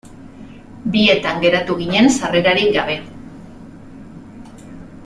Bietan geratu ginen sarrerarik gabe.